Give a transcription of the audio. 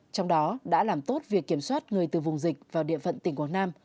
trong đó đã làm tốt việc kiểm soát người từ vùng dịch vào địa phận tỉnh quảng nam